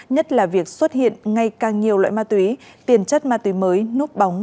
nhất là việc xuất hiện ngay càng nhiều loại ma túy tiền chất ma túy mới núp bóng